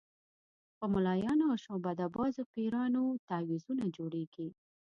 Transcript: په ملایانو او شعبده بازو پیرانو تعویضونه جوړېږي.